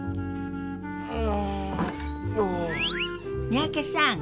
三宅さん